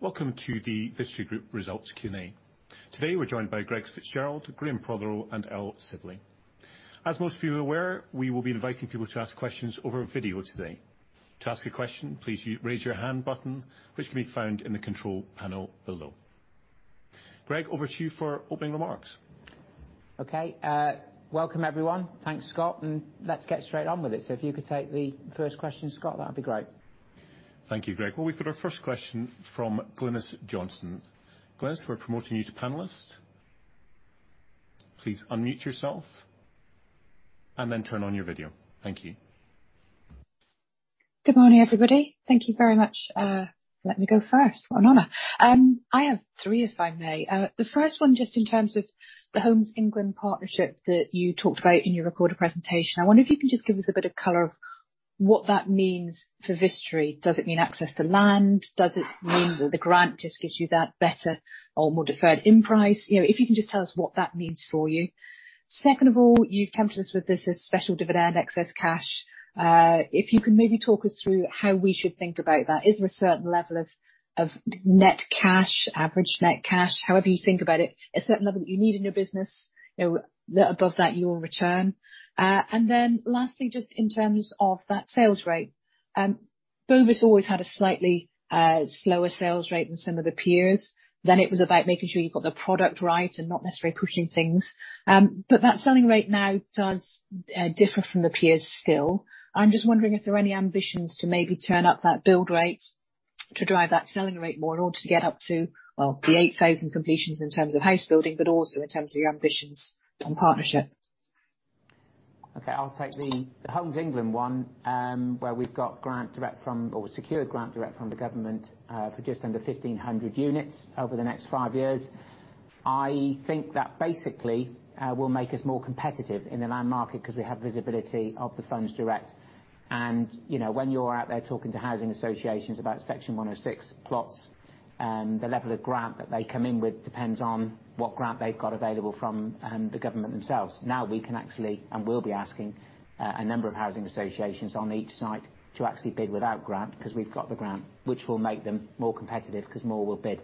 Welcome to the Vistry Group Results Q&A. Today, we're joined by Greg Fitzgerald, Graham Prothero, and Earl Sibley. As most of you are aware, we will be inviting people to ask questions over video today. To ask a question, please use raise your hand button, which can be found in the control panel below. Greg, over to you for opening remarks. Okay. Welcome, everyone. Thanks, Scott, and let's get straight on with it. If you could take the first question, Scott, that would be great. Thank you, Greg. Well, we've got our first question from Glynis Johnson. Glynis, we're promoting you to panelist. Please unmute yourself and then turn on your video. Thank you. Good morning, everybody. Thank you very much. Let me go first. What an honor. I have three, if I may. First one, just in terms of the Homes England partnership that you talked about in your recorded presentation. I wonder if you can just give us a bit of color of what that means for Vistry. Does it mean access to land? Does it mean that the grant just gives you that better or more deferred end price? If you can just tell us what that means for you. Second of all, you've come to us with this, a special dividend excess cash. If you can maybe talk us through how we should think about that. Is there a certain level of net cash, average net cash, however you think about it, a certain level that you need in your business, above that you will return? Lastly, just in terms of that sales rate. Bovis always had a slightly slower sales rate than some of the peers. It was about making sure you got the product right and not necessarily pushing things. That selling rate now does differ from the peers still. I'm just wondering if there are any ambitions to maybe turn up that build rate to drive that selling rate more in order to get up to the 8,000 completions in terms of house building, but also in terms of your ambitions on partnership. Okay, I'll take the Homes England one, where we've got grant direct from, or secured grant direct from the government, for just under 1,500 units over the next five years. I think that basically, that will make us more competitive. When you're out there talking to housing associations about Section 106 plots, the level of grant that they come in with depends on what grant they've got available from the government themselves. Now we can actually, and will be asking, a number of housing associations on each site to actually bid without grant, because we've got the grant. Which will make them more competitive because more will bid.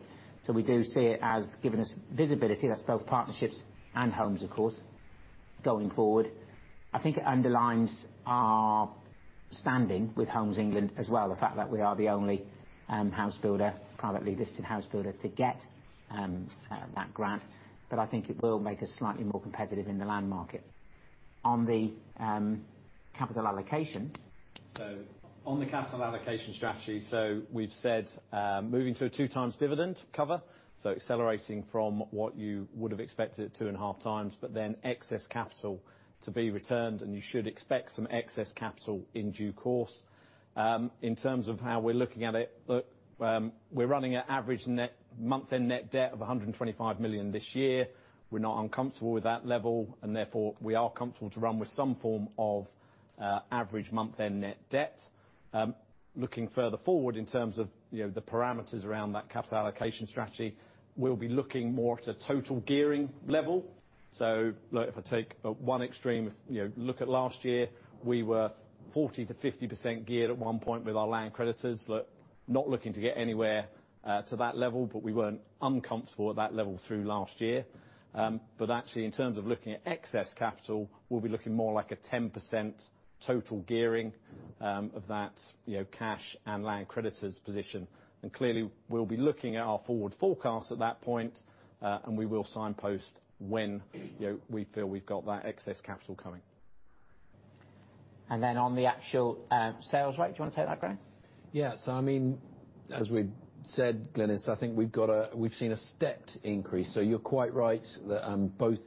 We do see it as giving us visibility. That's both partnerships and homes, of course, going forward. I think it underlines our standing with Homes England as well, the fact that we are the only privately listed house builder to get that grant. I think it will make us slightly more competitive in the land market. On the capital allocation. On the capital allocation strategy, we've said, moving to a 2x dividend cover, accelerating from what you would have expected at 2.5x. Excess capital to be returned, and you should expect some excess capital in due course. In terms of how we're looking at it, we're running an average month-end net debt of 125 million this year. We're not uncomfortable with that level, and therefore, we are comfortable to run with some form of average month-end net debt. Looking further forward in terms of the parameters around that capital allocation strategy, we'll be looking more to total gearing level. If I take one extreme. Look at last year, we were 40%-50% geared at 1 point with our land creditors. Not looking to get anywhere to that level, but we weren't uncomfortable at that level through last year. Actually, in terms of looking at excess capital, we'll be looking more like a 10% total gearing of that cash and land creditors position. Clearly, we'll be looking at our forward forecast at that point, and we will signpost when we feel we've got that excess capital coming. On the actual sales rate, do you want to take that, Graham? I mean, as we said, Glynis, I think we've seen a stepped increase. You're quite right that both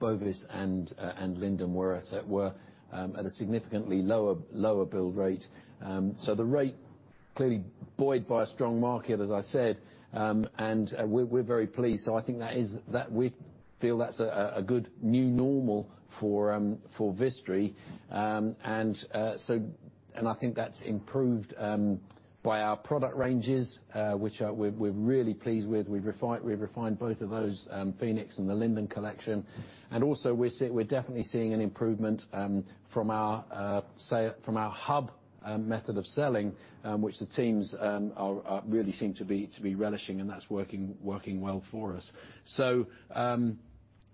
Bovis and Linden were at a significantly lower build rate. The rate clearly buoyed by a strong market, as I said, and we're very pleased. I think that we feel that's a good new normal for Vistry. I think that's improved by our product ranges, which we're really pleased with. We've refined both of those, Phoenix and the Linden Collection. Also, we're definitely seeing an improvement from our hub method of selling, which the teams really seem to be relishing, and that's working well for us.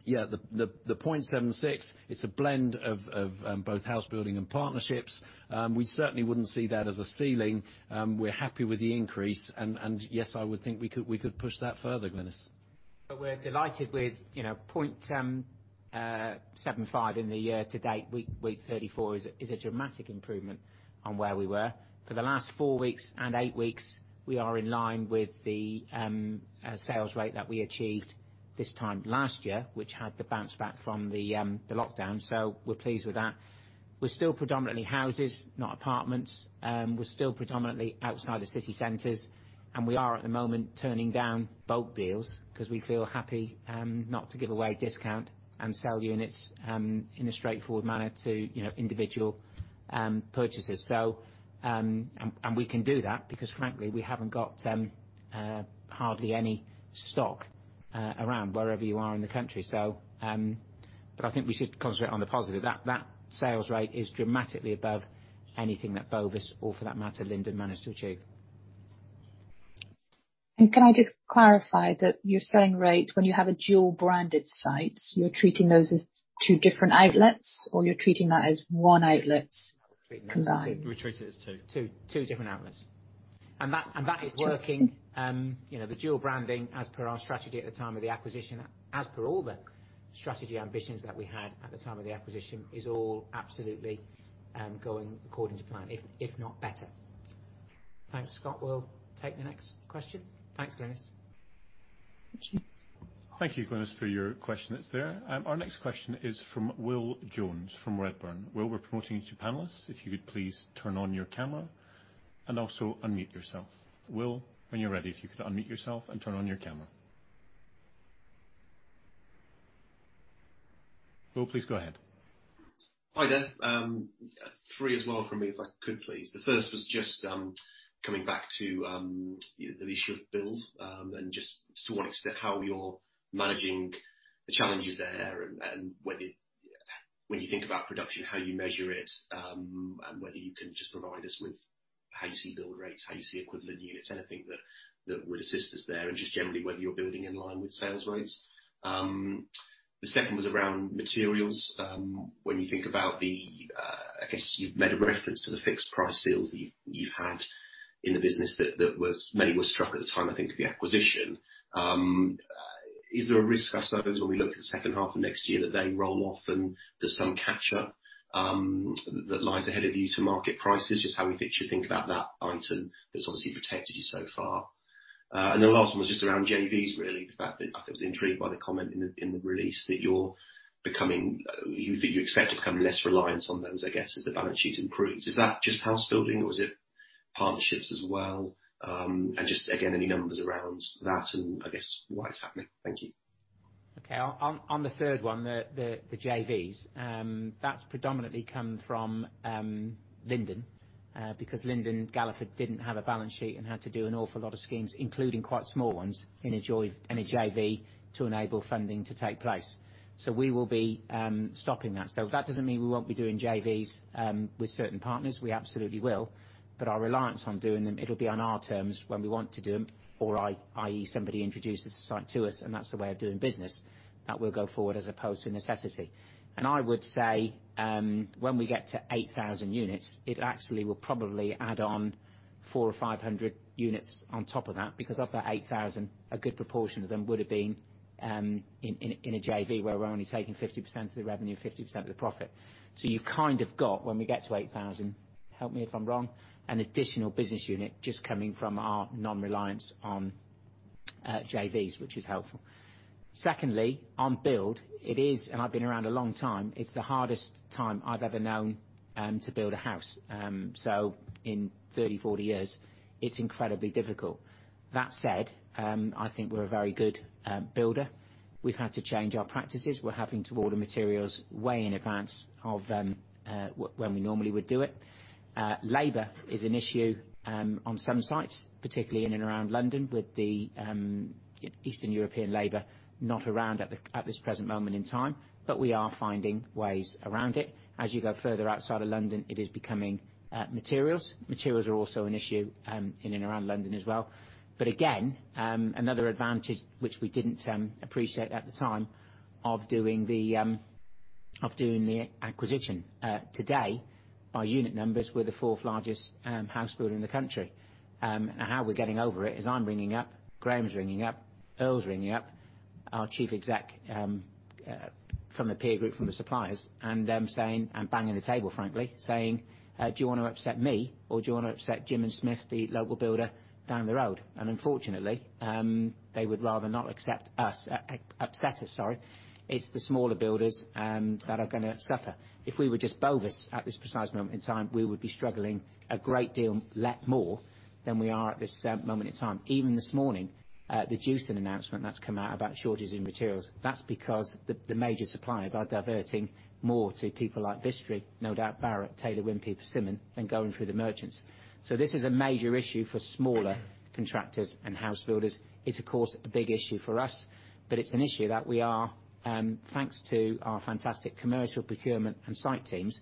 The 0.76, it's a blend of both house building and partnerships. We certainly wouldn't see that as a ceiling. We're happy with the increase. Yes, I would think we could push that further, Glynis. We're delighted with 0.75 in the year to date. Week 34 is a dramatic improvement on where we were. For the last four weeks and eight weeks, we are in line with the sales rate that we achieved this time last year, which had the bounce back from the lockdown. We're pleased with that. We're still predominantly houses, not apartments. We're still predominantly outside of city centers. We are, at the moment, turning down bulk deals because we feel happy not to give away discount and sell units in a straightforward manner to individual purchasers. We can do that because frankly, we haven't got hardly any stock around wherever you are in the country. I think we should concentrate on the positive. That sales rate is dramatically above anything that Bovis or for that matter, Linden managed to achieve. Can I just clarify that you're saying rate when you have a dual-branded site, you're treating those as two different outlets, or you're treating that as one outlet combined? We treat it as two different outlets. That is working. The dual branding as per our strategy at the time of the acquisition, as per all the strategy ambitions that we had at the time of the acquisition, is all absolutely going according to plan, if not better. Thanks, Scott. We'll take the next question. Thanks, Glynis. Thank you. Thank you, Glynis, for your question that's there. Our next question is from Will Jones from Redburn. Will, we're promoting you to panelists. If you could please turn on your camera and also unmute yourself. Will, when you're ready, if you could unmute yourself and turn on your camera. Will, please go ahead. Hi there. Three as well from me, if I could, please. The first was just coming back to the issue of build, and just to what extent, how you're managing the challenges there and when you think about production, how you measure it, and whether you can just provide us with how you see build rates, how you see equivalent units, anything that would assist us there, and just generally whether you're building in line with sales rates. The second was around materials. When you think about the I guess you've made a reference to the fixed price deals that you've had in the business that many were struck at the time, I think, of the acquisition. Is there a risk us knowing when we look to the second half of next year that they roll off and there's some catch up that lies ahead of you to market prices? Just how we think to think about that item that's obviously protected you so far. The last one was just around JVs, really, the fact that I was intrigued by the comment in the release that you expect to become less reliant on those, I guess, as the balance sheet improves. Is that just house building or is it partnerships as well? Just again, any numbers around that and I guess why it's happening? Thank you. On the third one, the JVs, that's predominantly come from Linden, because Linden Galliford didn't have a balance sheet and had to do an awful lot of schemes, including quite small ones in a JV to enable funding to take place. We will be stopping that. That doesn't mean we won't be doing JVs with certain partners. We absolutely will. Our reliance on doing them, it'll be on our terms when we want to do them, or i.e. somebody introduces a site to us and that's the way of doing business, that will go forward as opposed to a necessity. I would say when we get to 8,000 units, it actually will probably add on 400 or 500 units on top of that, because of that 8,000, a good proportion of them would have been in a JV where we're only taking 50% of the revenue, 50% of the profit. You've kind of got, when we get to 8,000, help me if I'm wrong, an additional business unit just coming from our non-reliance on JVs, which is helpful. Secondly, on build, it is, and I've been around a long time, it's the hardest time I've ever known to build a house. In 30, 40 years, it's incredibly difficult. That said, I think we're a very good builder. We've had to change our practices. We're having to order materials way in advance of when we normally would do it. Labor is an issue on some sites, particularly in and around London, with the Eastern European labor not around at this present moment in time. We are finding ways around it. As you go further outside of London, it is becoming materials. Materials are also an issue in and around London as well. Again, another advantage which we didn't appreciate at the time of doing the acquisition. Today, by unit numbers, we're the fourth largest housebuilder in the country. How we're getting over it is I'm ringing up, Graham's ringing up, Earl's ringing up our chief exec from the peer group, from the suppliers, saying, and banging the table, frankly, saying, "Do you want to upset me or do you want to upset Jim and Smith, the local builder down the road?" Unfortunately, they would rather not accept us, upset us, sorry. It's the smaller builders that are going to suffer. If we were just Bovis at this precise moment in time, we would be struggling a great deal lot more than we are at this moment in time. Even this morning, the Jewson announcement that's come out about shortages in materials. That's because the major suppliers are diverting more to people like Vistry, no doubt Barratt, Taylor Wimpey, Persimmon, than going through the merchants. This is a major issue for smaller contractors and house builders. It's of course a big issue for us, it's an issue that we are, thanks to our fantastic commercial procurement and site teams,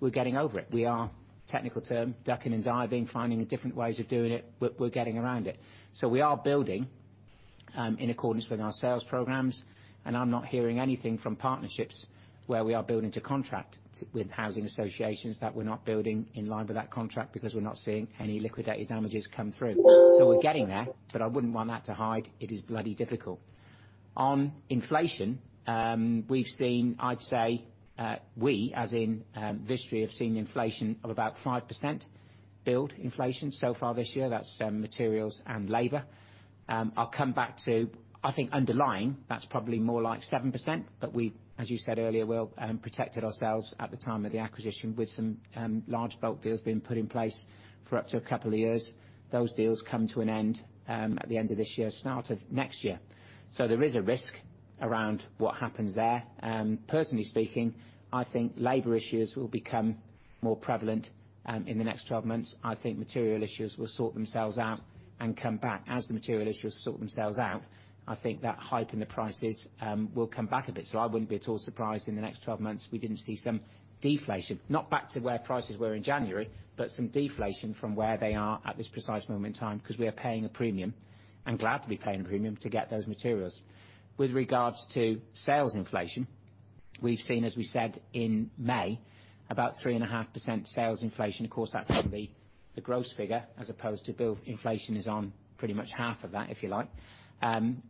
we're getting over it. We are, technical term, ducking and diving, finding different ways of doing it. We're getting around it. We are building in accordance with our sales programs, and I'm not hearing anything from partnerships where we are building to contract with housing associations that we're not building in line with that contract because we're not seeing any liquidated damages come through. We're getting there, but I wouldn't want that to hide. It is bloody difficult. On inflation, we've seen, I'd say, we as in Vistry, have seen inflation of about 5% build inflation so far this year. That's materials and labor. I'll come back to, I think underlying, that's probably more like 7%, but we, as you said earlier, Will, protected ourselves at the time of the acquisition with some large bulk deals being put in place for up to a couple of years. Those deals come to an end at the end of this year, start of next year. There is a risk around what happens there. Personally speaking, I think labor issues will become more prevalent in the next 12 months. I think material issues will sort themselves out and come back. As the material issues sort themselves out, I think that hike in the prices will come back a bit. I wouldn't be at all surprised if in the next 12 months we didn't see some deflation. Not back to where prices were in January, but some deflation from where they are at this precise moment in time, because we are paying a premium, and glad to be paying a premium, to get those materials. With regards to sales inflation, we've seen, as we said, in May, about 3.5% sales inflation. That's going to be the gross figure as opposed to build inflation is on pretty much half of that, if you like.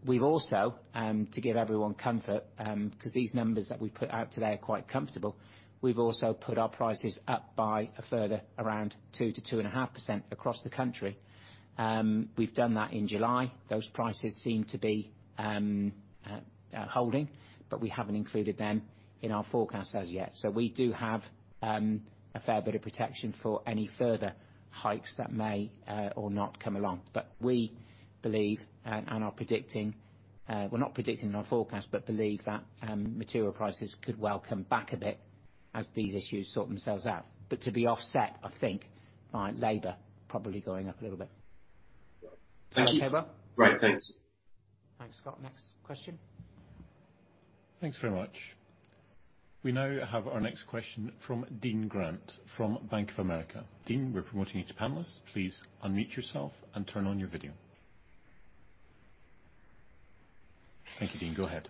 We've also, to give everyone comfort, because these numbers that we put out today are quite comfortable, we've also put our prices up by a further around 2%-2.5% across the country. We've done that in July. Those prices seem to be holding, but we haven't included them in our forecast as yet. We do have a fair bit of protection for any further hikes that may or not come along. We believe and are predicting, we're not predicting in our forecast, but believe that material prices could well come back a bit as these issues sort themselves out. To be offset, I think, by labor probably going up a little bit. Thank you. Is that okay, Will? Right. Thanks. Thanks, Scott. Next question. Thanks very much. We now have our next question from Dean Grant, from Bank of America. Dean, we're promoting you to panelist. Please unmute yourself and turn on your video. Thank you, Dean. Go ahead.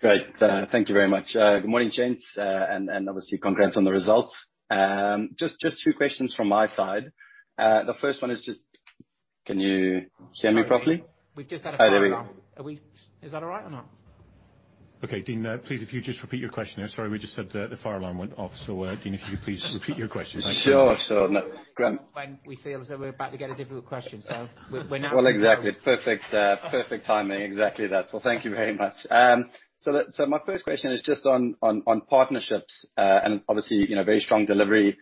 Great. Thank you very much. Good morning, gents, and obviously congrats on the results. Just two questions from my side. The first one is just Can you hear me properly? Sorry, Dean. We've just had a fire alarm. Oh, there we go. Is that all right or not? Okay, Dean, please, if you just repeat your question there. Sorry, we just had the fire alarm went off. Dean, if you could please repeat your question. Thank you. Sure. No, Grant. When we feel as though we're about to get a difficult question, so we're now- Well, exactly. Perfect timing. Exactly that. Well, thank you very much. My first question is just on partnerships, and obviously very strong delivery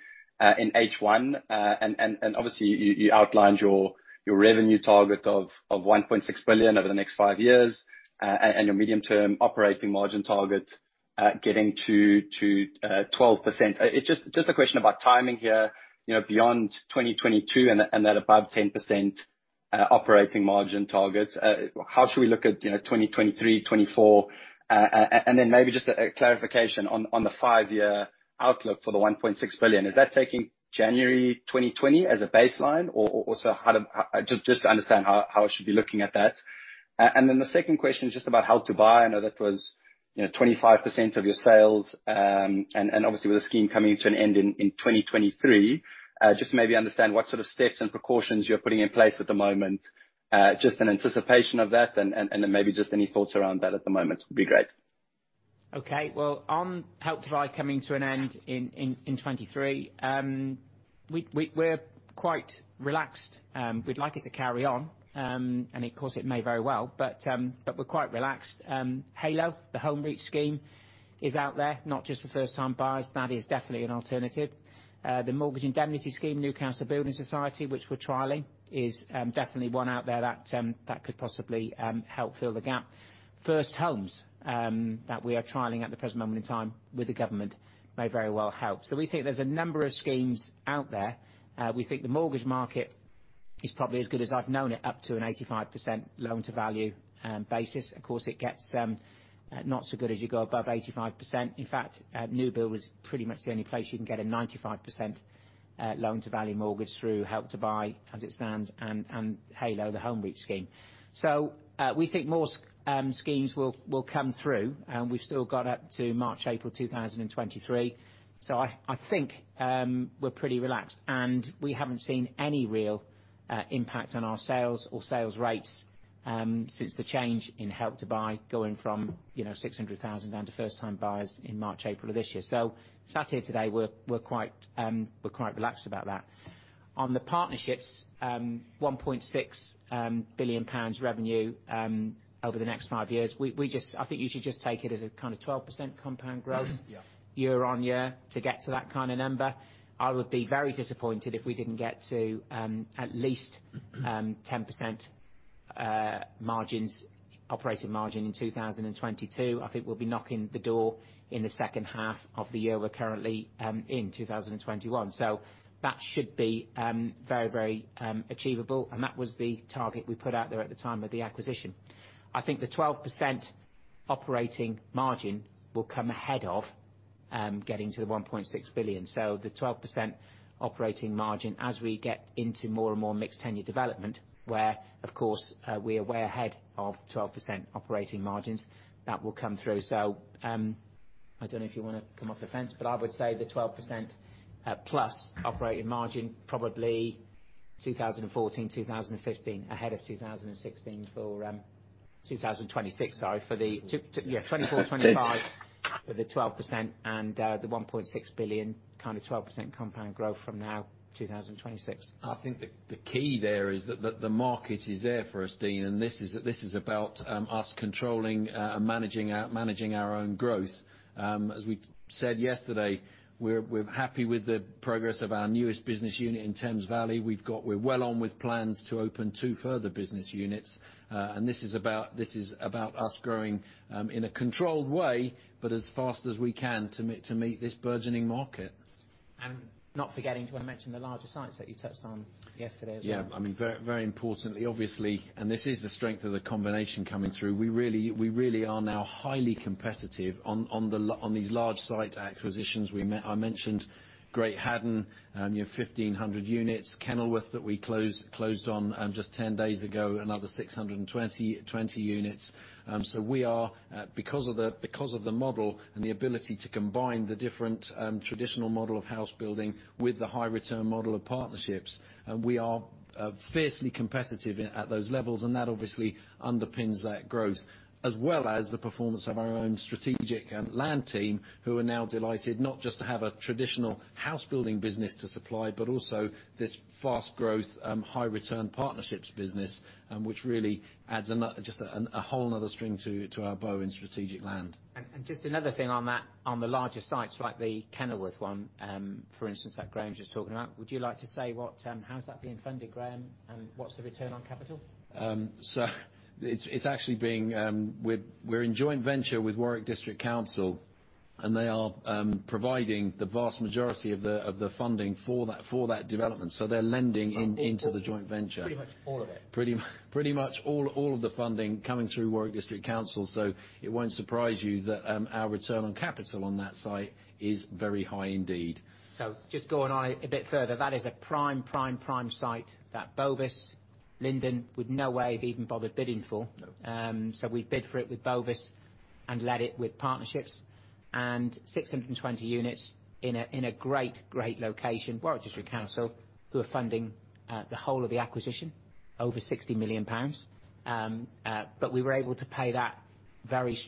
in H1. Obviously you outlined your revenue target of 1.6 billion over the next five years, and your medium-term operating margin target getting to 12%. Just a question about timing here, beyond 2022 and that above 10% operating margin target, how should we look at 2023, 2024? Maybe just a clarification on the five-year outlook for the 1.6 billion. Is that taking January 2020 as a baseline? Just to understand how I should be looking at that. The second question is just about Help to Buy. I know that was 25% of your sales, and obviously with the scheme coming to an end in 2023, just to maybe understand what sort of steps and precautions you're putting in place at the moment, just in anticipation of that and then maybe just any thoughts around that at the moment would be great. Okay. Well, on Help to Buy coming to an end in 2023, we're quite relaxed. Of course, it may very well, but we're quite relaxed. Heylo, the Home Reach Scheme, is out there, not just for first-time buyers. That is definitely an alternative. The Mortgage Indemnity Scheme, Newcastle Building Society, which we're trialing, is definitely one out there that could possibly help fill the gap. First Homes, that we are trialing at the present moment in time with the government, may very well help. We think there's a number of schemes out there. We think the mortgage market is probably as good as I've known it, up to an 85% loan-to-value basis. Of course, it gets not so good as you go above 85%. In fact, new-build was pretty much the only place you can get a 95% loan-to-value mortgage through Help to Buy as it stands, and Heylo, the Home Reach Scheme. We think more schemes will come through, and we've still got up to March, April 2023. I think we're pretty relaxed, and we haven't seen any real impact on our sales or sales rates since the change in Help to Buy going from 600,000 down to first-time buyers in March, April of this year. Sat here today, we're quite relaxed about that. On the partnerships, 1.6 billion pounds revenue over the next five years, I think you should just take it as a kind of 12% compound growth year-on-year to get to that kind of number. I would be very disappointed if we didn't get to at least 10% operating margin in 2022. I think we'll be knocking the door in the second half of the year we're currently in, 2021. That should be very achievable, and that was the target we put out there at the time of the acquisition. I think the 12% operating margin will come ahead of getting to the 1.6 billion. The 12% operating margin as we get into more and more mixed tenure development, where, of course, we are way ahead of 12% operating margins, that will come through. I don't know if you want to come off the fence, but I would say the 12%+ operating margin, probably 2014, 2015, ahead of 2016 for 2026, sorry. Yeah. 2024, 2025. The 12% and the 1.6 billion kind of 12% compound growth from now, 2026. I think the key there is that the market is there for us, Dean. This is about us controlling and managing our own growth. As we said yesterday, we're happy with the progress of our newest business unit in Thames Valley. We're well on with plans to open two further business units. This is about us growing in a controlled way, but as fast as we can to meet this burgeoning market. Not forgetting to mention the larger sites that you touched on yesterday as well. Yeah. Very importantly, obviously, this is the strength of the combination coming through, we really are now highly competitive on these large site acquisitions. I mentioned Great Haddon, 1,500 units. Kenilworth, that we closed on just 10 days ago, another 620 units. We are, because of the model and the ability to combine the different traditional model of house building with the high return model of partnerships, and we are fiercely competitive at those levels. That obviously underpins that growth, as well as the performance of our own strategic land team, who are now delighted not just to have a traditional house building business to supply, but also this fast growth, high return partnerships business, which really adds just a whole another string to our bow in strategic land. Just another thing on that, on the larger sites, like the Kenilworth one, for instance, that Graham was just talking about, would you like to say how is that being funded, Graham, and what's the return on capital? We're in joint venture with Warwick District Council, they are providing the vast majority of the funding for that development. They're lending into the joint venture. Pretty much all of it. Pretty much all of the funding coming through Warwick District Council. It won't surprise you that our return on capital on that site is very high indeed. Just going on a bit further, that is a prime site that Bovis Linden would no way have even bothered bidding for. We bid for it with Bovis and let it with Partnerships. 620 units in a great location. Warwick District Council, who are funding the whole of the acquisition, over 60 million pounds. We were able to pay that very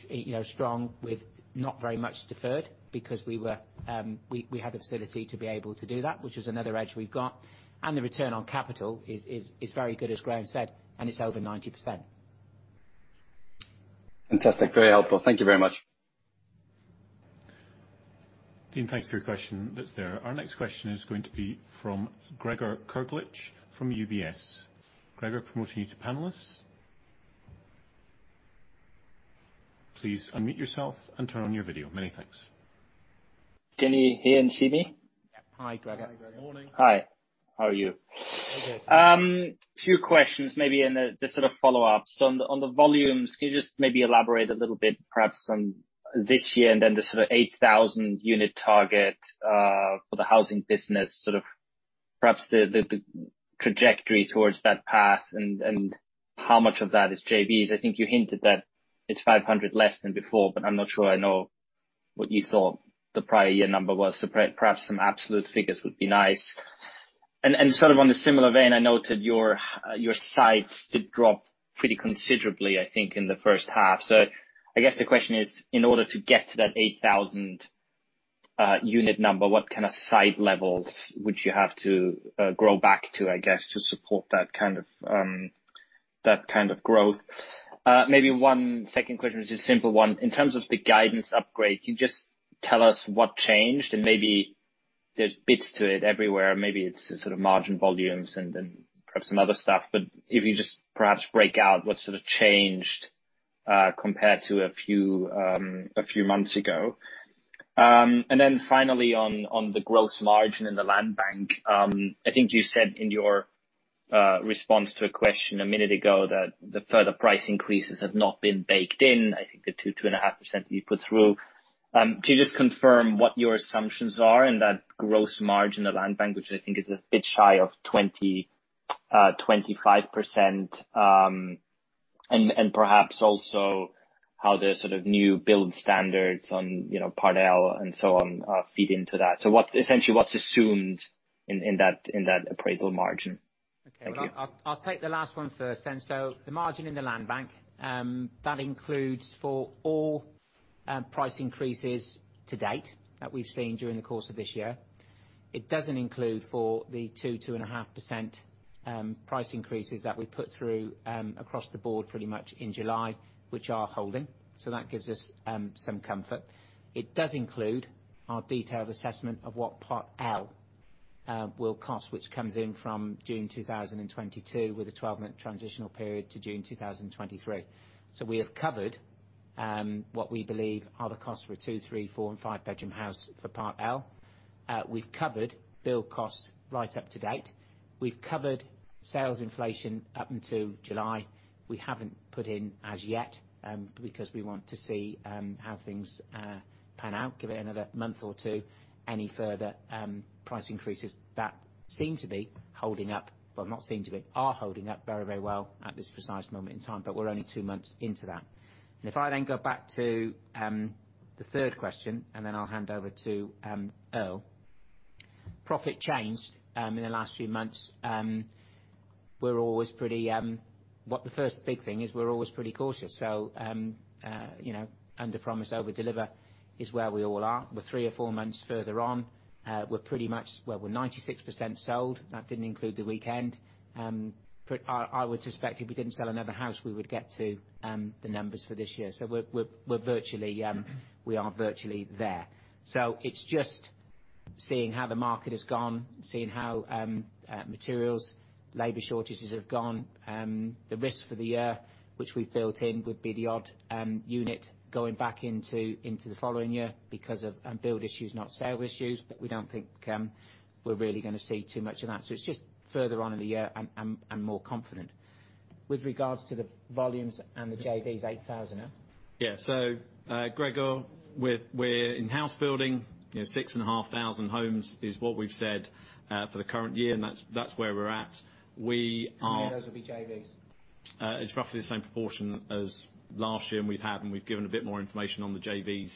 strong with not very much deferred because we had the facility to be able to do that, which is another edge we've got. The return on capital is very good, as Graham said, and it's over 90%. Fantastic. Very helpful. Thank you very much. Dean, thanks for your question. That's there. Our next question is going to be from Gregor Kuglitsch from UBS. Gregor, promoting you to panelist. Please unmute yourself and turn on your video. Many thanks. Can you hear and see me? Yeah. Hi, Gregor. Morning. Hi. How are you? Few questions maybe in the sort of follow-ups. On the volumes, can you just maybe elaborate a little bit, perhaps on this year and then the sort of 8,000 unit target for the housing business, perhaps the trajectory towards that path and how much of that is JVs? I think you hinted that it's 500 less than before, but I'm not sure I know what you thought the prior year number was. Perhaps some absolute figures would be nice. Sort of on the similar vein, I noted your sites did drop pretty considerably, I think, in the first half. I guess the question is, in order to get to that 8,000 unit number, what kind of site levels would you have to grow back to, I guess, to support that kind of growth? Maybe one second question, which is a simple one. In terms of the guidance upgrade, can you just tell us what changed? Maybe there's bits to it everywhere. Maybe it's the sort of margin volumes and then perhaps some other stuff. If you just perhaps break out what sort of changed compared to a few months ago. Finally on the gross margin in the land bank, I think you said in your response to a question a minute ago that the further price increases have not been baked in. I think the 2.5% that you put through. Can you just confirm what your assumptions are in that gross margin, the land bank, which I think is a bit shy of 25%? Perhaps also how the sort of new build standards on Part L and so on feed into that. Essentially what's assumed in that appraisal margin? Thank you. Okay. I'll take the last one first then. The margin in the land bank, that includes for all price increases to date that we've seen during the course of this year. It doesn't include for the 2%-2.5% price increases that we put through across the board pretty much in July, which are holding. That gives us some comfort. It does include our detailed assessment of what Part L will cost, which comes in from June 2022 with a 12-month transitional period to June 2023. We have covered what we believe are the costs for a two, three, four, and five-bedroom house for Part L. We've covered build cost right up to date. We've covered sales inflation up until July. We haven't put in as yet, because we want to see how things pan out, give it another month or two. Any further price increases that seem to be holding up, well, not seem to be, are holding up very well at this precise moment in time, but we're only two months into that. If I go back to the third question, I'll hand over to Earl. Profit changed in the last few months. The first big thing is we're always pretty cautious. Under promise, over deliver is where we all are. We're three or four months further on. We're 96% sold. That didn't include the weekend. I would suspect if we didn't sell another house, we would get to the numbers for this year. We are virtually there. It's just seeing how the market has gone, seeing how materials, labor shortages have gone. The risk for the year, which we've built in, would be the odd unit going back into the following year because of build issues, not sale issues. We don't think we're really going to see too much of that. It's just further on in the year and more confident. With regards to the volumes and the JVs 8,000, eh? Yeah. Gregor, we're in house building. 6,500 homes is what we've said for the current year, and that's where we're at. How many of those will be JVs? It's roughly the same proportion as last year, and we've given a bit more information on the JVs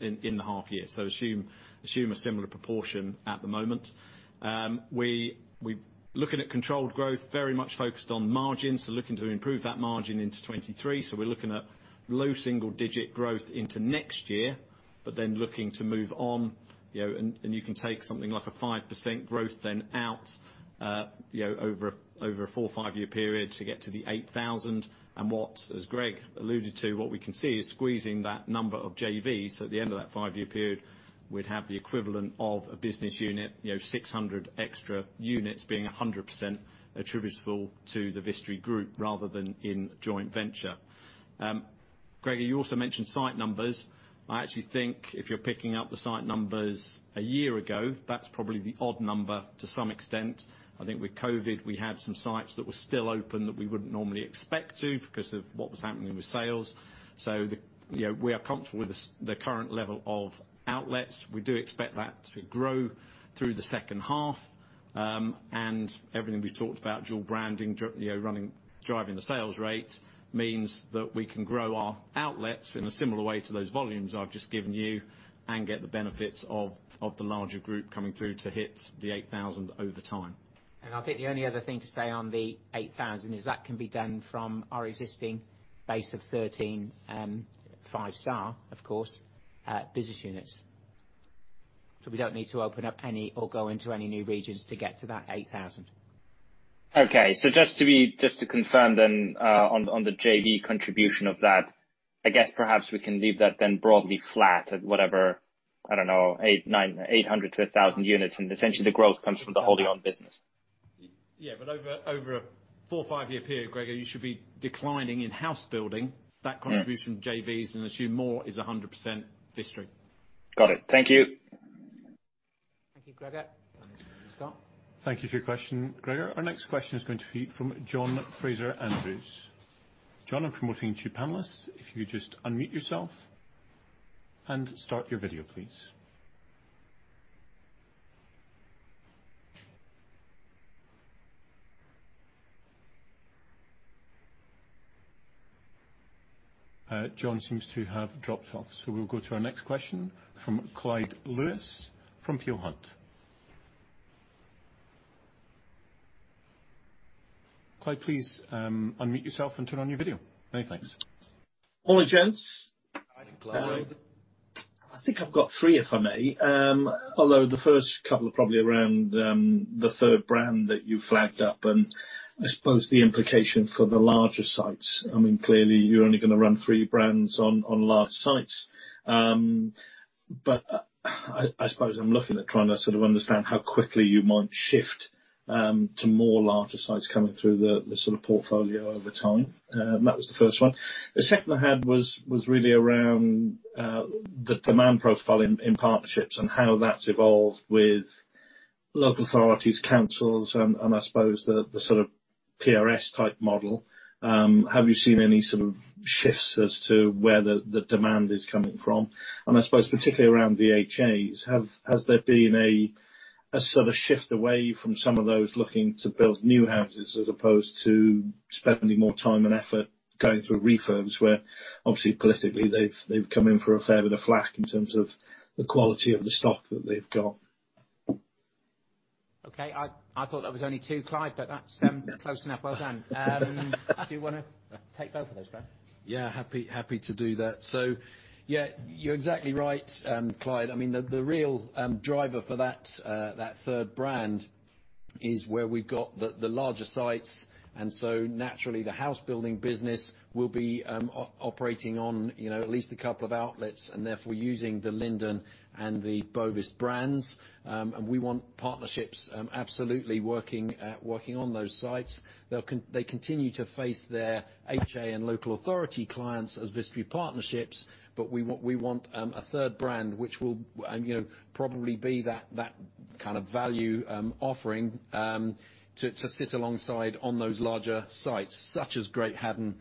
in the half year. Assume a similar proportion at the moment. We're looking at controlled growth, very much focused on margins, so looking to improve that margin into 2023. We're looking at low single digit growth into next year, but then looking to move on, and you can take something like a 5% growth then out over a four, five year period to get to the 8,000. What, as Greg alluded to, what we can see is squeezing that number of JVs. At the end of that five-year period, we'd have the equivalent of a business unit, 600 extra units being 100% attributable to the Vistry Group rather than in joint venture. Gregor, you also mentioned site numbers. I actually think if you're picking up the site numbers a year ago, that's probably the odd number to some extent. I think with COVID, we had some sites that were still open that we wouldn't normally expect to because of what was happening with sales. We are comfortable with the current level of outlets. We do expect that to grow through the second half. Everything we've talked about, dual branding, driving the sales rate means that we can grow our outlets in a similar way to those volumes I've just given you and get the benefits of the larger group coming through to hit the 8,000 over time. I think the only other thing to say on the 8,000 is that can be done from our existing base of 13, five-star, of course, business units. We don't need to open up any or go into any new regions to get to that 8,000. Okay. Just to confirm then on the JV contribution of that, I guess perhaps we can leave that then broadly flat at whatever, I don't know, 800-1,000 units, essentially the growth comes from the wholly owned business. Yeah. Over a four, five-year period, Gregor, you should be declining in house building. Yeah. That contribution from JVs and assume more is 100% Vistry. Got it. Thank you. Thank you, Gregor. The next one is Scott. Thank you for your question, Gregor. Our next question is going to be from John Fraser-Andrews. John, I'm promoting you to panelists. If you could just unmute yourself and start your video, please. John seems to have dropped off, so we'll go to our next question from Clyde Lewis from Peel Hunt. Clyde, please unmute yourself and turn on your video. Many thanks. Morning, gents. Morning, Clyde. I think I've got three, if I may. The first couple are probably around the third brand that you flagged up and I suppose the implication for the larger sites. Clearly you're only going to run three brands on large sites. I suppose I'm looking at trying to sort of understand how quickly you might shift to more larger sites coming through the sort of portfolio over time. That was the first one. The second I had was really around the demand profile in partnerships and how that's evolved with local authorities, councils and I suppose the sort of PRS type model. Have you seen any sort of shifts as to where the demand is coming from? I suppose particularly around HAs, has there been a sort of shift away from some of those looking to build new houses as opposed to spending more time and effort going through refurbs where obviously politically they've come in for a fair bit of flak in terms of the quality of the stock that they've got? Okay. I thought that was only two, Clyde, but that's close enough. Well done. Do you want to take both of those, Graham? Happy to do that. You're exactly right, Clyde. The real driver for that third brand is where we've got the larger sites, naturally the house building business will be operating on at least a couple of outlets and therefore using the Linden and the Bovis brands. We want partnerships absolutely working on those sites. They continue to face their HA and local authority clients as Vistry Partnerships, we want a third brand, which will probably be that kind of value offering, to sit alongside on those larger sites, such as Great Haddon,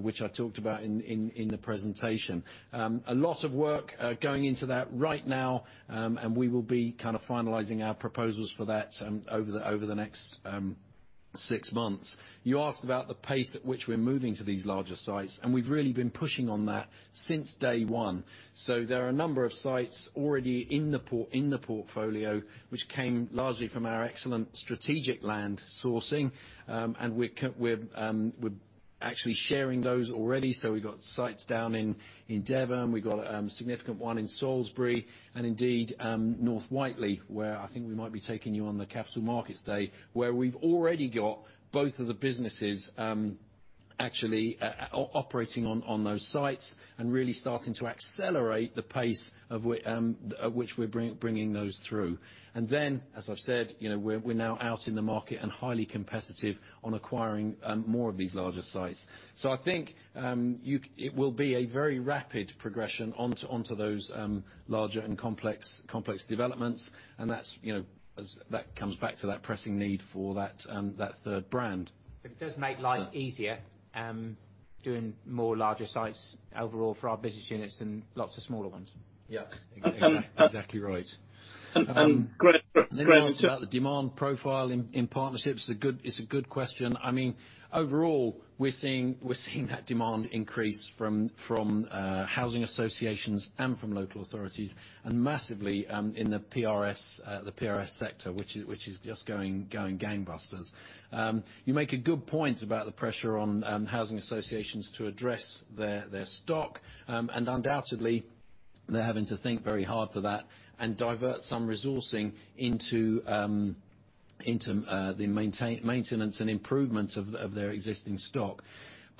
which I talked about in the presentation. A lot of work going into that right now, we will be kind of finalizing our proposals for that over the next six months. You asked about the pace at which we're moving to these larger sites, We've really been pushing on that since day one. There are a number of sites already in the portfolio which came largely from our excellent strategic land sourcing. We're actually sharing those already. We've got sites down in Devon, we've got a significant one in Salisbury, and indeed North Whiteley, where I think we might be taking you on the capital markets day, where we've already got both of the businesses actually operating on those sites and really starting to accelerate the pace at which we're bringing those through. Then, as I've said, we're now out in the market and highly competitive on acquiring more of these larger sites. I think it will be a very rapid progression onto those larger and complex developments, and that comes back to that pressing need for that third brand. It does make life easier, doing more larger sites overall for our business units than lots of smaller ones. Yeah. Exactly right. And Graham- Then about the demand profile in partnerships, it's a good question. Overall, we're seeing that demand increase from Housing Associations and from local authorities, and massively, in the PRS sector, which is just going gangbusters. You make a good point about the pressure on Housing Associations to address their stock, and undoubtedly, they're having to think very hard for that and divert some resourcing into the maintenance and improvement of their existing stock.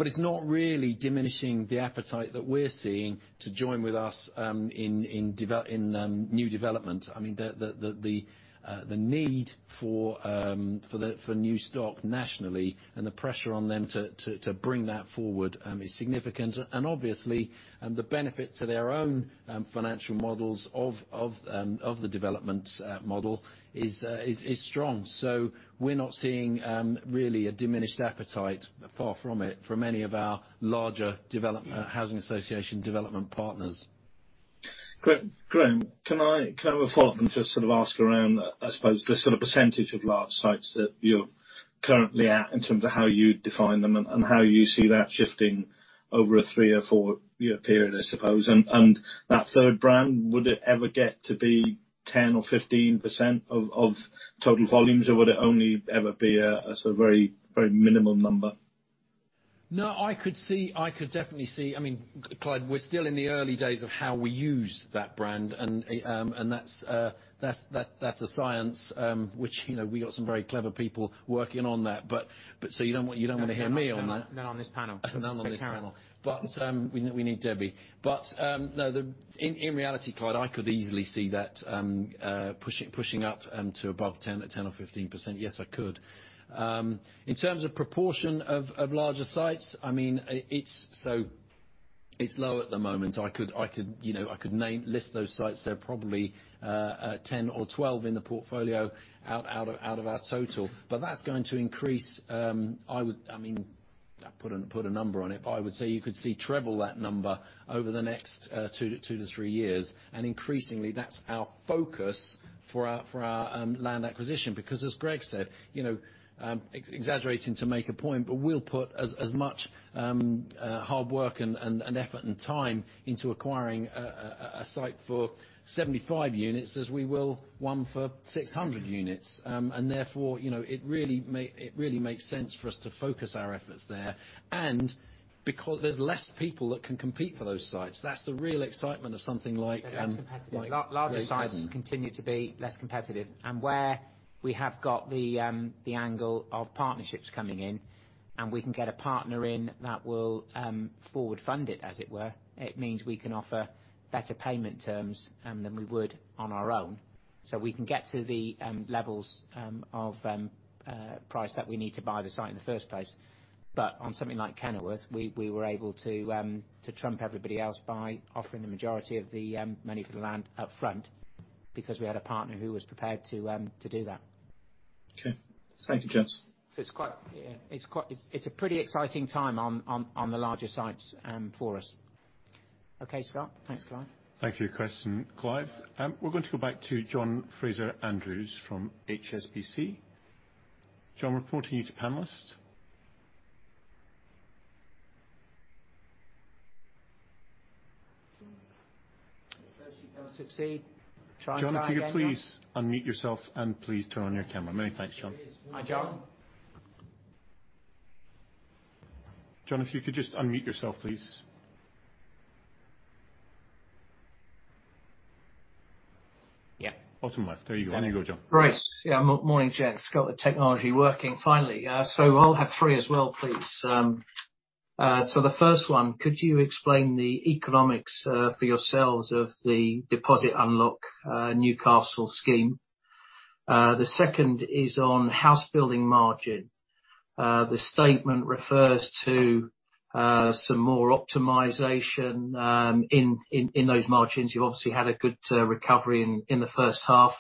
It's not really diminishing the appetite that we're seeing to join with us in new development. The need for new stock nationally and the pressure on them to bring that forward is significant. Obviously, the benefit to their own financial models of the development model is strong. We're not seeing really a diminished appetite, far from it, from any of our larger Housing Association development partners. Graham, can I have a follow-up and just sort of ask around, I suppose, the sort of percentage of large sites that you're currently at in terms of how you define them and how you see that shifting over a three or four-year period, I suppose? That third brand, would it ever get to be 10% or 15% of total volumes, or would it only ever be a very minimal number? I could definitely see Clyde, we're still in the early days of how we use that brand, that's a science, which we got some very clever people working on that. You don't want to hear me on that. Not on this panel. Not on this panel. Get Karen on. We need Debbie. No, in reality, Clyde, I could easily see that pushing up to above 10% or 15%. Yes, I could. In terms of proportion of larger sites, it's low at the moment. I could list those sites. They're probably 10 or 12 in the portfolio out of our total. That's going to increase. I put a number on it, I would say you could see treble that number over the next two to three years and increasingly, that's our focus for our land acquisition because as Greg said, exaggerating to make a point, we'll put as much hard work and effort and time into acquiring a site for 75 units as we will one for 600 units. Therefore, it really makes sense for us to focus our efforts there. Because there's less people that can compete for those sites, that's the real excitement of something. They're less competitive. Larger sites continue to be less competitive and where we have got the angle of partnerships coming in, and we can get a partner in that will forward fund it, as it were, it means we can offer better payment terms than we would on our own. We can get to the levels of price that we need to buy the site in the first place. On something like Kenilworth, we were able to trump everybody else by offering the majority of the money for the land up front because we had a partner who was prepared to do that. Okay. Thank you, gents. It's a pretty exciting time on the larger sites for us. Okay, Scott. Thanks, Clyde. Thank you for your question, Clyde. We're going to go back to John Fraser-Andrews from HSBC. John, reporting you to panelist. First you don't succeed. Try and try again, John. John, if you could please unmute yourself and please turn on your camera. Many thanks, John. Hi, John. John, if you could just unmute yourself, please. Yeah. Bottom left. There you go, John. Right. Yeah, morning, gents. Got the technology working finally. I'll have three as well, please. The first one, could you explain the economics for yourselves of the Deposit Unlock Newcastle scheme? The second is on house building margin. The statement refers to some more optimization in those margins. You obviously had a good recovery in the first half.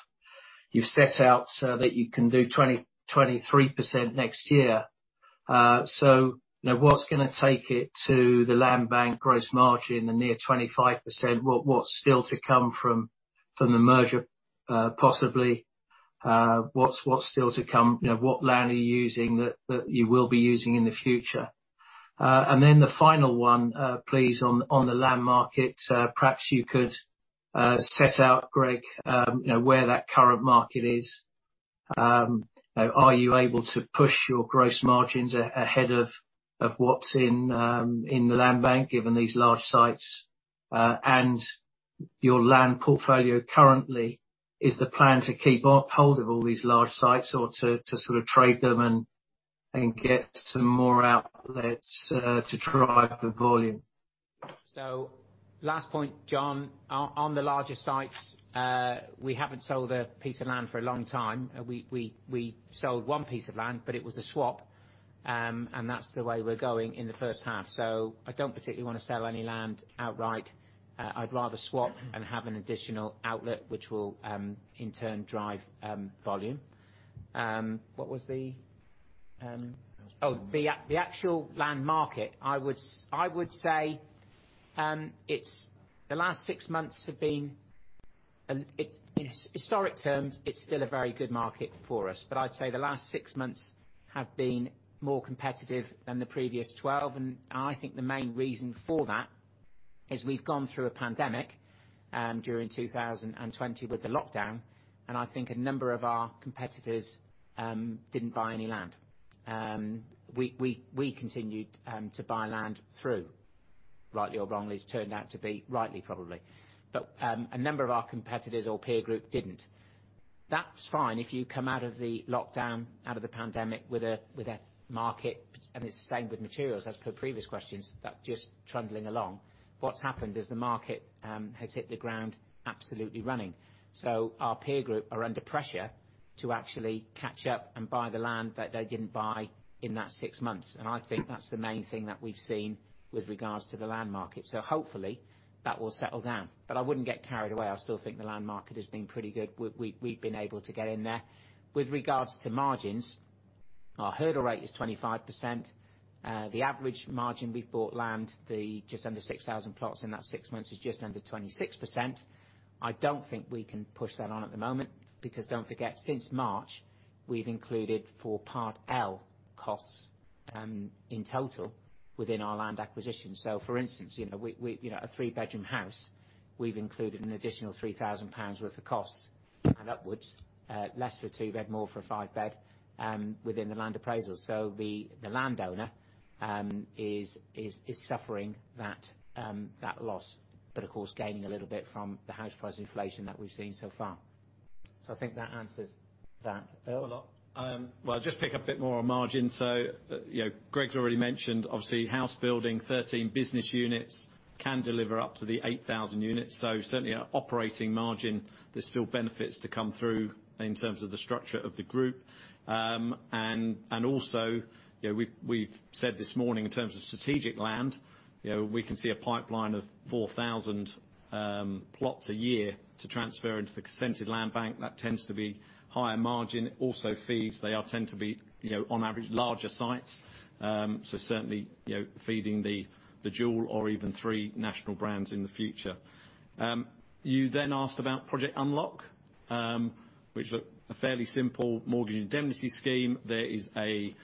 You've set out that you can do 23% next year. What's going to take it to the land bank gross margin, the near 25%? What's still to come from the merger, possibly? What's still to come? What land are you using that you will be using in the future? The final one, please, on the land market. Perhaps you could set out, Greg, where that current market is. Are you able to push your gross margins ahead of what's in the land bank, given these large sites and your land portfolio currently? Is the plan to keep a hold of all these large sites or to sort of trade them and get some more outlets to drive the volume? Last point, John, on the larger sites, we haven't sold a piece of land for a long time. We sold one piece of land, it was a swap. That's the way we're going in the first half. I don't particularly want to sell any land outright. I'd rather swap and have an additional outlet, which will in turn drive volume. The actual land market, I would say the last six months have been, in historic terms, it's still a very good market for us. I'd say the last six months have been more competitive than the previous 12. I think the main reason for that is we've gone through a pandemic during 2020 with the lockdown. I think a number of our competitors didn't buy any land. We continued to buy land through, rightly or wrongly. It's turned out to be rightly, probably. A number of our competitors or peer group didn't. That's fine if you come out of the lockdown, out of the pandemic with a market, and it's the same with materials as per previous questions, that are just trundling along. What's happened is the market has hit the ground absolutely running. Our peer group are under pressure to actually catch up and buy the land that they didn't buy in that six months. I think that's the main thing that we've seen with regards to the land market. Hopefully that will settle down. I wouldn't get carried away. I still think the land market has been pretty good. We've been able to get in there. With regards to margins, our hurdle rate is 25%. The average margin we've bought land, just under 6,000 plots in that six months, is just under 26%. I don't think we can push that on at the moment, because don't forget, since March, we've included for Part L costs in total within our land acquisition. For instance, a three-bedroom house, we've included an additional 3,000 pounds worth of costs and upwards, less for a two bed, more for a five bed within the land appraisal. The landowner is suffering that loss, but of course, gaining a little bit from the house price inflation that we've seen so far. I think that answers that, Earl. Well, I'll just pick up a bit more on margin. Greg's already mentioned, obviously, housebuilding, 13 business units can deliver up to the 8,000 units. Certainly our operating margin, there's still benefits to come through in terms of the structure of the group. Also, we've said this morning in terms of strategic land, we can see a pipeline of 4,000 plots a year to transfer into the consented land bank. That tends to be higher margin. It also feeds, they all tend to be, on average, larger sites. Certainly feeding the dual or even three national brands in the future. You asked about Deposit Unlock, which looked a fairly simple mortgage indemnity scheme. There is a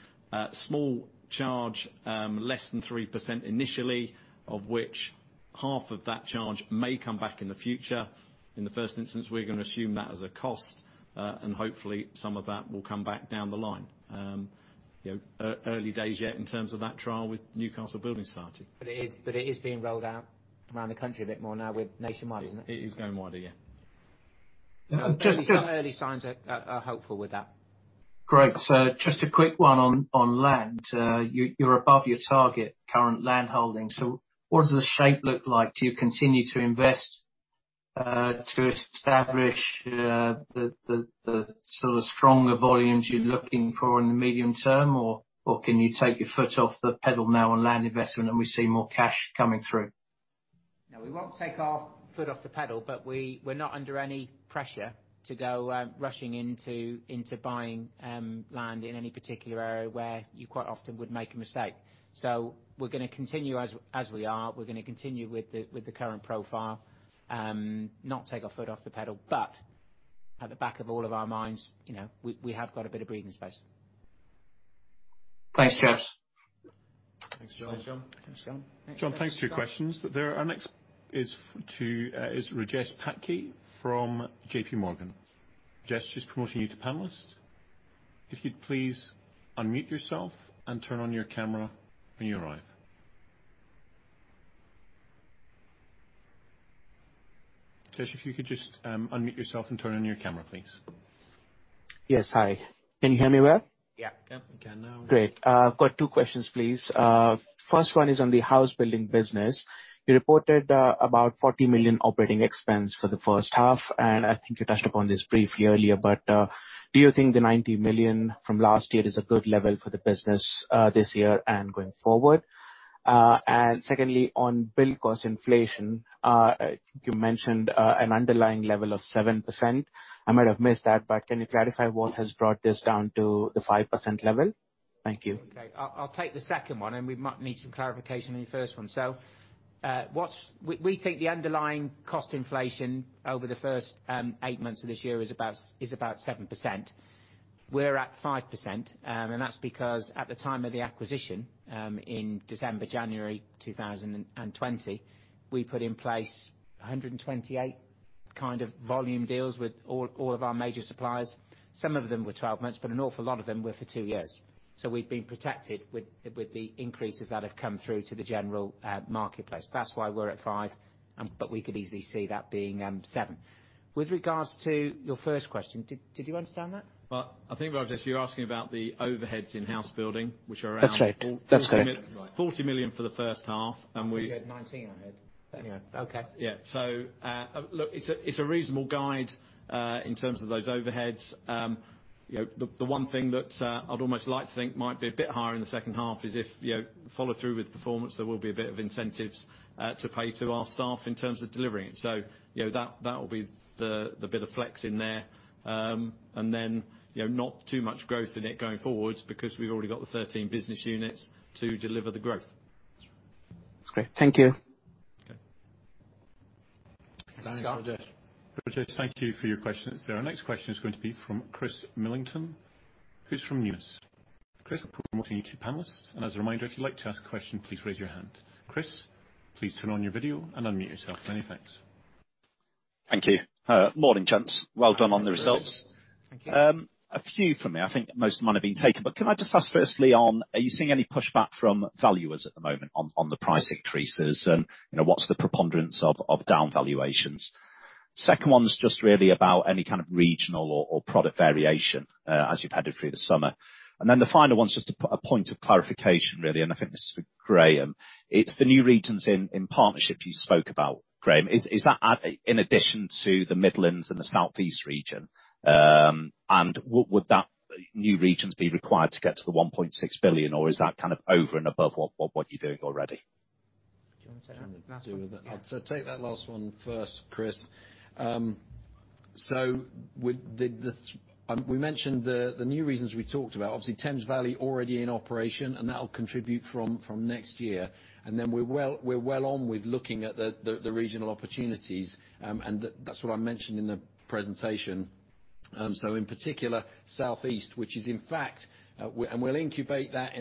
small charge, less than 3% initially, of which half of that charge may come back in the future. In the first instance, we're going to assume that as a cost, and hopefully some of that will come back down the line. Early days yet in terms of that trial with Newcastle Building Society. It is being rolled out around the country a bit more now nationwide, isn't it? It is going wider, yeah. Early signs are helpful with that. Greg, just a quick one on land. You're above your target current land holding. What does the shape look like? Do you continue to invest to establish the sort of stronger volumes you're looking for in the medium term? Can you take your foot off the pedal now on land investment and we see more cash coming through? We won't take our foot off the pedal, but we're not under any pressure to go rushing into buying land in any particular area where you quite often would make a mistake. We're going to continue as we are. We're going to continue with the current profile, not take our foot off the pedal. At the back of all of our minds, we have got a bit of breathing space. Thanks, Greg. Thanks, John. Thanks, John. John, thanks for your questions. Our next is Rajesh Patki from JPMorgan. Rajesh is promoting you to panelist. If you'd please unmute yourself and turn on your camera when you arrive. Rajesh, if you could just unmute yourself and turn on your camera, please. Yes. Hi. Can you hear me well? Yeah, we can now. Great. I've got two questions, please. First one is on the house building business. You reported about 40 million operating expense for the first half, and I think you touched upon this briefly earlier, but do you think the 90 million from last year is a good level for the business this year and going forward? Secondly, on build cost inflation, I think you mentioned an underlying level of 7%. I might have missed that, but can you clarify what has brought this down to the 5% level? Thank you. Okay. I'll take the second one, and we might need some clarification on your first one. We think the underlying cost inflation over the first eight months of this year is about 7%. We're at 5%, and that's because at the time of the acquisition, in December, January 2020, we put in place 128 volume deals with all of our major suppliers. Some of them were 12 months, but an awful lot of them were for two years. We've been protected with the increases that have come through to the general marketplace. That's why we're at 5%, but we could easily see that being 7%. With regards to your first question, did you understand that? I think, Rajesh, you're asking about the overheads in house building, which are around. That's right. 40 million for the first half and We had 19, I heard. Yeah. Okay. Yeah. Look, it's a reasonable guide, in terms of those overheads. The one thing that I'd almost like to think might be a bit higher in the second half is if you follow through with the performance, there will be a bit of incentives to pay to our staff in terms of delivering it. That will be the bit of flex in there. Not too much growth in it going forwards because we've already got the 13 business units to deliver the growth. That's great. Thank you. Okay. Thanks, Rajesh. Rajesh, thank you for your questions. Our next question is going to be from Chris Millington, who's from Numis. Chris, we're promoting you to panelists, and as a reminder, if you'd like to ask a question, please raise your hand. Chris, please turn on your video and unmute yourself. Many thanks. Thank you. Morning, gents. Well done on the results. Thank you. A few from me. I think most might have been taken, but can I just ask firstly on, are you seeing any pushback from valuers at the moment on the price increases? What's the preponderance of down valuations? Second one's just really about any kind of regional or product variation, as you've headed through the summer. The final one's just a point of clarification, really, and I think this is for Graham. It's the new regions in partnership you spoke about, Graham. Is that in addition to the Midlands and the Southeast region? Would that new regions be required to get to the 1.6 billion, or is that over and above what you're doing already? Do you want me to take that? Do you want me to do that? Yeah. Take that last one first, Chris. We mentioned the new regions we talked about, obviously Thames Valley already in operation, and that'll contribute from next year. We're well on with looking at the regional opportunities, and that's what I mentioned in the presentation. In particular, Southeast, and we'll incubate that.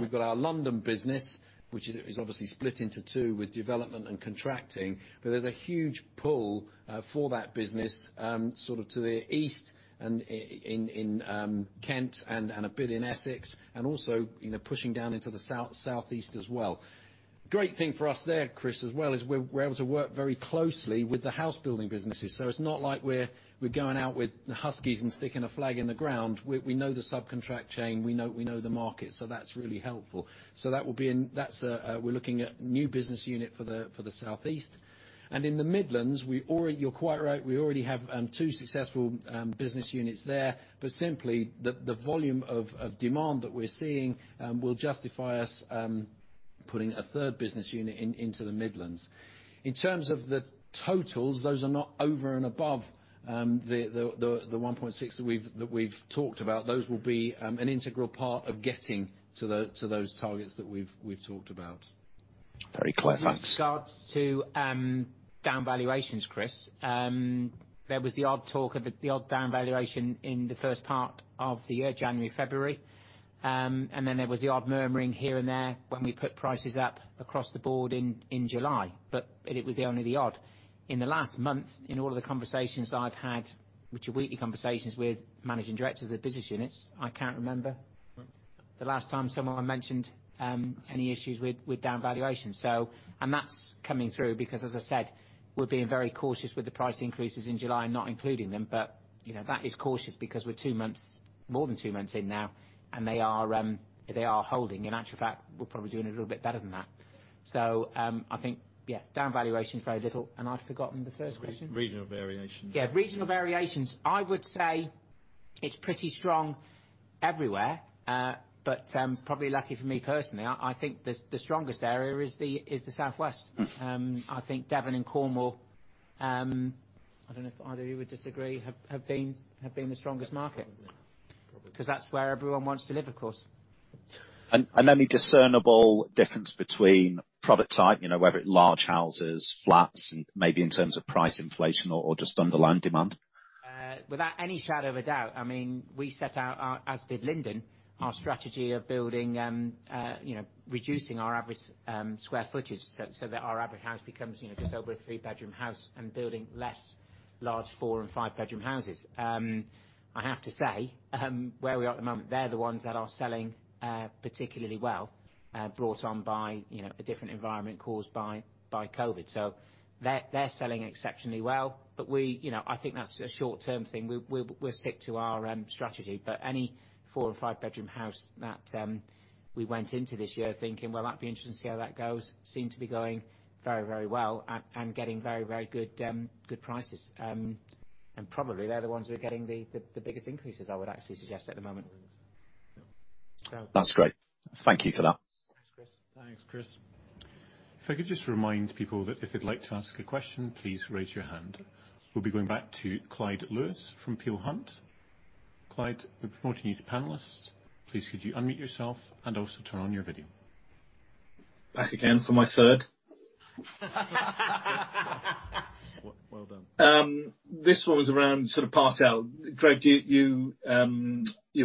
We've got our London business, which is obviously split into two with development and contracting, but there's a huge pull for that business, sort of to the east and in Kent and a bit in Essex, and also pushing down into the Southeast as well. Great thing for us there, Chris, as well is we're able to work very closely with the house-building businesses. It's not like we're going out with the huskies and sticking a flag in the ground. We know the subcontract chain. We know the market. That's really helpful. We're looking at new business unit for the Southeast. In the Midlands, you're quite right. We already have two successful business units there. Simply, the volume of demand that we're seeing will justify us putting a third business unit into the Midlands. In terms of the totals, those are not over and above the 1.6 that we've talked about. Those will be an integral part of getting to those targets that we've talked about. Very clear. Thanks. With regards to down valuations, Chris, there was the odd talk of the odd down valuation in the first part of the year, January, February. There was the odd murmuring here and there when we put prices up across the board in July, it was only the odd. In the last month, in all of the conversations I've had, which are weekly conversations with managing directors of the business units, I can't remember the last time someone mentioned any issues with down valuation. That's coming through because, as I said, we're being very cautious with the price increases in July and not including them. That is cautious because we're two months, more than two months in now, and they are holding. In actual fact, we're probably doing a little bit better than that. I think, yeah, down valuation is very little. I've forgotten the third question. Regional variation. Yeah. Regional variations. I would say it's pretty strong everywhere. Probably lucky for me personally, I think the strongest area is the Southwest. I think Devon and Cornwall, I don't know if either of you would disagree, have been the strongest market. That's where everyone wants to live, of course. Any discernible difference between product type, whether large houses, flats, and maybe in terms of price inflation or just underlying demand? Without any shadow of a doubt. We set out, as did Linden, our strategy of reducing our average square footage, so that our average house becomes just over a three-bedroom house and building less large four- and five-bedroom houses. I have to say, where we are at the moment, they're the ones that are selling particularly well, brought on by a different environment caused by COVID. They're selling exceptionally well. I think that's a short-term thing. We'll stick to our strategy. Any four- or five-bedroom house that we went into this year thinking, "Well, that'd be interesting to see how that goes," seem to be going very, very well and getting very, very good prices. Probably they're the ones who are getting the biggest increases, I would actually suggest at the moment. That's great. Thank you for that. Thanks, Chris. Thanks, Chris. If I could just remind people that if they'd like to ask a question, please raise your hand. We'll be going back to Clyde Lewis from Peel Hunt. Clyde, we're promoting you to panelists. Please could you unmute yourself and also turn on your video. Back again for my third. Well done. This one was around Part L. Greg, you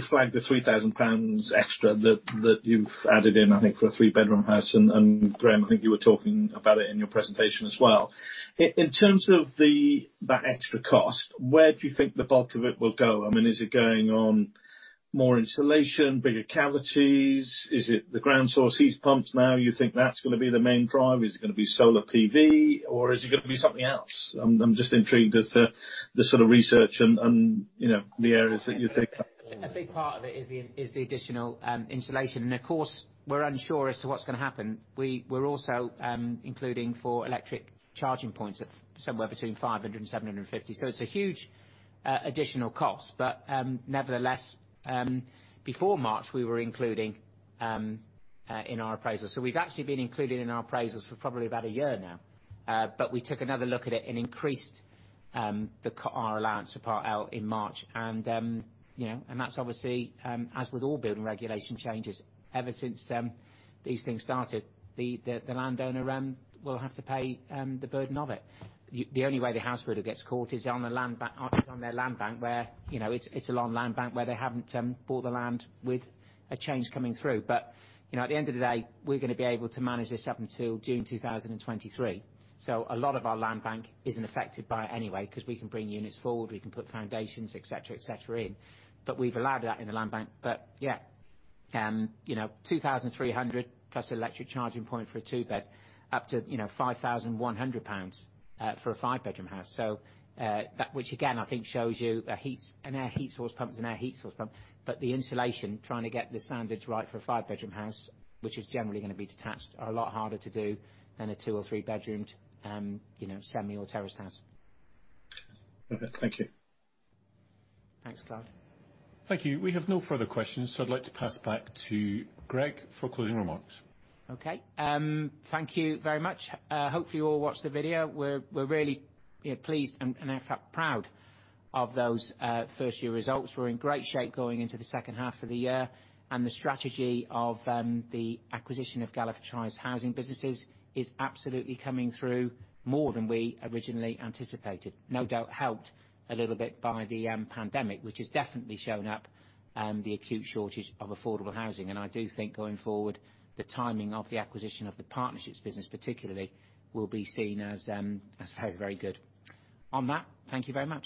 flagged the 3,000 pounds extra that you've added in, I think, for a three-bedroom house. Graham, I think you were talking about it in your presentation as well. In terms of that extra cost, where do you think the bulk of it will go? Is it going on more insulation, bigger cavities? Is it the ground source heat pumps now you think that's going to be the main drive? Is it going to be solar PV? Is it going to be something else? I'm just intrigued as to the sort of research and the areas that you think. A big part of it is the additional insulation. Of course, we're unsure as to what's going to happen. We're also including four electric charging points at somewhere between 500-750. It's a huge additional cost. Nevertheless, before March, we were including in our appraisal. We've actually been including in our appraisals for probably about a year now. We took another look at it and increased our allowance for Part L in March. That's obviously, as with all building regulation changes, ever since these things started, the landowner will have to pay the burden of it. The only way the house builder gets caught is on their land bank where it's a long land bank where they haven't bought the land with a change coming through. At the end of the day, we're going to be able to manage this up until June 2023. A lot of our land bank isn't affected by it anyway, because we can bring units forward, we can put foundations, et cetera, et cetera, in. We've allowed that in the land bank. 2,300 plus electric charging point for a two-bed up to 5,100 pounds for a five-bedroom house. That, which again, I think shows you an air source heat pump is an air source heat pump, but the insulation, trying to get the standards right for a five-bedroom house, which is generally going to be detached, are a lot harder to do than a two or three-bedroomed semi or terraced house. Okay, thank you. Thanks, Clyde. Thank you. We have no further questions, so I'd like to pass back to Greg for closing remarks. Okay. Thank you very much. Hopefully, you all watched the video. We're really pleased and, in fact, proud of those first year results. We're in great shape going into the second half of the year. The strategy of the acquisition of Galliford Try's housing businesses is absolutely coming through more than we originally anticipated. No doubt helped a little bit by the pandemic, which has definitely shown up the acute shortage of affordable housing. I do think going forward, the timing of the acquisition of the partnerships business particularly will be seen as very good. On that, thank you very much.